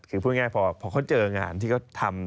คือพูดง่ายพอเขาเจองานที่เขาทำ